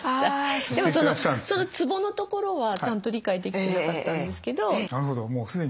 でもそのツボのところはちゃんと理解できてなかったんですけど。